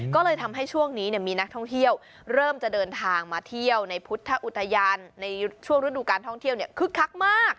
ก็เลยทำให้ช่วงนี้มีนักท่องเที่ยวเริ่มจะเดินทางมาเที่ยวในพุทธอุทยานในช่วงฤดูการท่องเที่ยวคึกคักมาก